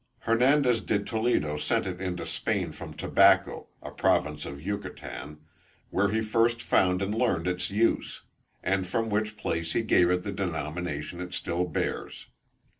Hernandez de Toledo sent it into Spain from Tabaco, a province of Yucatan, where he first found and learned its use; and from which place he gave it the denomination it still bears.